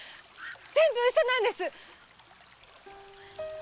全部ウソなんです！